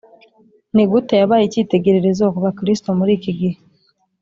Ni gute yabaye icyitegererezo ku bakristo muri iki gihe